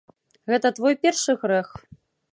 Гэта твой першы грэх.